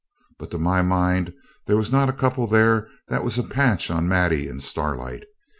But, to my mind, there was not a couple there that was a patch on Maddie and Starlight.